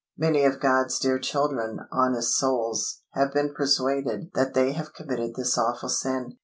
Many of God's dear children, honest souls, have been persuaded that they have committed this awful sin.